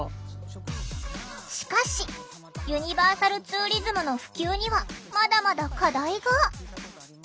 しかしユニバーサルツーリズムの普及にはまだまだ課題が。